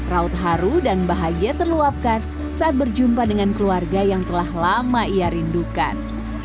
raut haru dan bahagia terluapkan saat berjumpa dengan keluarga yang telah lama ia rindukan